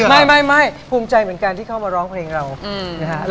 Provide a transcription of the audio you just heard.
ไม่ภูมิใจเหมือนกันที่เข้ามาร้องเพลงเรานะฮะ